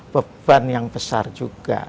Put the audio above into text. beban yang besar juga